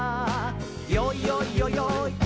「よいよいよよい